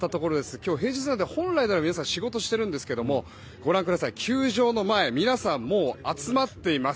今日、平日なので本来なら皆さん仕事をしているんですがご覧ください、球場の前皆さんもう集まっています。